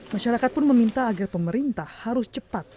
masyarakat pun meminta agar pemerintah harus cepat